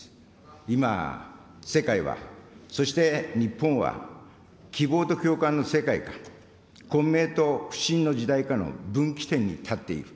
今、世界は、そして日本は、希望と共感の世界か、混迷と不信の時代かの分岐点に立っている。